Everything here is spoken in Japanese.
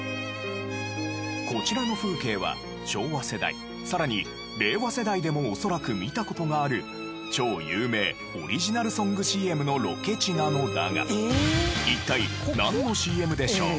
こちらの風景は昭和世代さらに令和世代でも恐らく見た事がある超有名オリジナルソングＣＭのロケ地なのだが一体なんのＣＭでしょう？